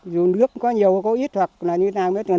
dù nước có nhiều có ít hoặc là như thế nào